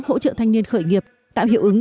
hỗ trợ thanh niên khởi nghiệp tạo hiệu ứng